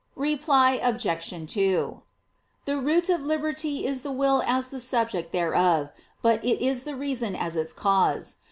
Reply Obj. 2: The root of liberty is the will as the subject thereof; but it is the reason as its cause.